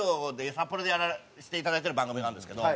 札幌でやらせていただいてる番組があるんですけど。